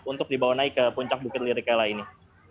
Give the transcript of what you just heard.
untuk dibawa naik ke puncak bukit lirikela ini